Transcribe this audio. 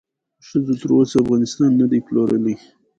ښځو تر اوسه افغانستان ندې پلورلی